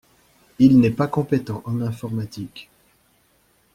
Il n’est pas compétent en informatique.